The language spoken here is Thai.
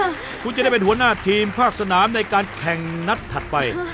คุณจะได้เป็นหัวหน้าทีมภาคสนามในการแข่งนัดถัดไป